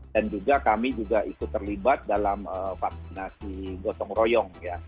dan juga kami juga ikut terlibat dalam vaksinasi gotong royong